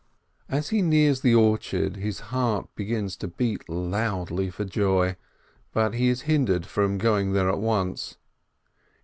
As he nears the orchard his heart begins to beat loudly for joy, but he is hindered from going there at once.